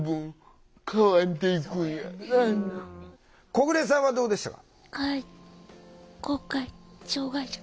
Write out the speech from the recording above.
小暮さんはどうでしたか？